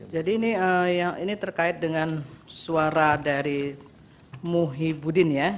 jadi ini terkait dengan suara dari muhyibudin ya